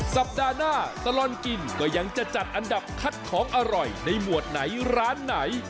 สัปดาห์หน้าตลอดกินก็ยังจะจัดอันดับคัดของอร่อยในหมวดไหนร้านไหน